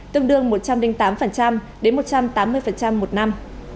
tương đương một trăm linh tám đến một trăm tám mươi một năm